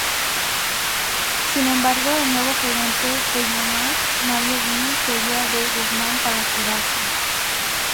Sin embargo, el nuevo gerente Feyenoord Mario Been quería De Guzmán para quedarse.